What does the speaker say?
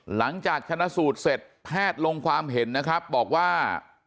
หลังจากชนะสูตรเสร็จแพทย์ลงความเห็นนะครับบอกว่า